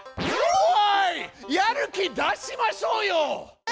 やる気だしましょうよ！